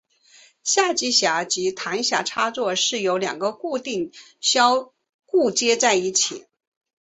下机匣及弹匣插座是由两个固定销固接在一起。